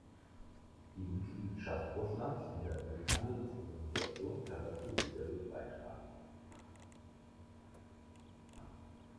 Die Mitgliedschaft Russlands in der Welthandelsorganisation kann dazu sicherlich beitragen.